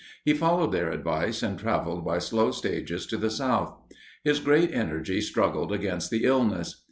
He followed their advice, and travelled by slow stages to the south. His great energy struggled against the illness.